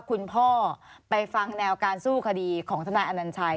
คุณพ่อไปฟังแนวการสู้คดีของทนายอนัญชัย